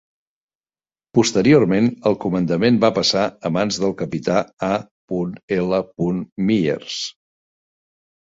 Posteriorment, el comandament va passar a mans del capità A. L. Myers.